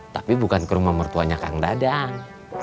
tapi bukan ke rumah mertuanya kang dadang